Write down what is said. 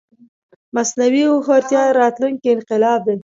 مصنوعي هوښيارتيا راتلونکې انقلاب دی